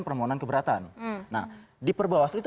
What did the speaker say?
permohonan keberatan nah diperbawaslu itu